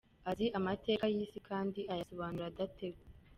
Azi amateka y’isi kandi ayasobanura adategwa.